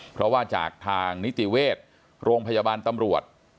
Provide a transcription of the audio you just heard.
เพราะว่าจากทางนิติเวชโรงพยาบาลตำรวจ